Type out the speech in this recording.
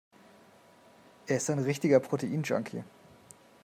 Er ist ein richtiger Protein-Junkie.